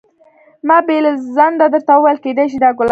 ما بې له ځنډه درته وویل کېدای شي دا ګلاب.